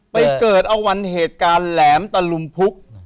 ไปเกิดเอาวันเหตุการณ์แหลมตะลุมพุก